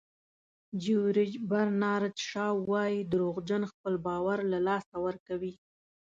جیورج برنارد شاو وایي دروغجن خپل باور له لاسه ورکوي.